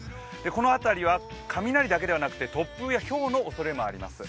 この辺りは雷だけではなくて突風やひょうのおそれもあります。